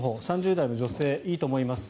３０代の女性、いいと思います